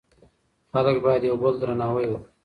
خلک باید یو بل درناوی کړي.